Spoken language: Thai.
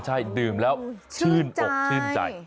ใช่ดื่มแล้วชื่นอกชื่นใจ